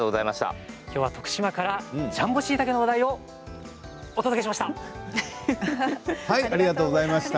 きょうは徳島からジャンボしいたけの話題をお届けしました。